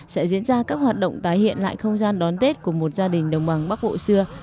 sẽ diễn ra các hoạt động tái hiện lại không gian đón tết của một gia đình đồng bằng bắc bộ xưa